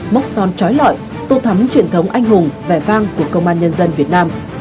mốc son trói lọi tô thắm truyền thống anh hùng vẻ vang của công an nhân dân việt nam